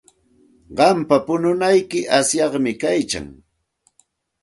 Qampa pununayki asyaqmi kaykan.